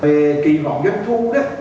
về kỳ vọng doanh thu